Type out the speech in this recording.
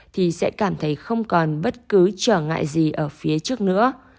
thì sẽ cảm thấy không còn bất cứ trở ngại gì ở phía trước nữa